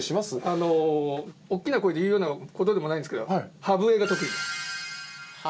あのおっきな声で言うようなことでもないんですけど歯笛が得意です